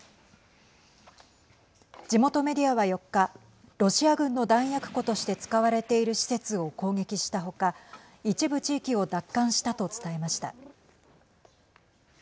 地元メディアは４日ロシア軍の弾薬庫として使われている施設を攻撃した他一部地域を奪還したと伝えました。